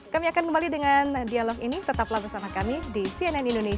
kami akan kembali dengan dialog ini tetaplah bersama kami di cnn indonesia